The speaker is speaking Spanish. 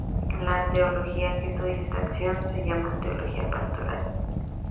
La teología que estudia esta acción se llama teología pastoral.